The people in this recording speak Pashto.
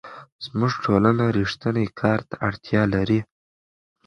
زموږ ټولنه رښتیني کار ته اړتیا لري.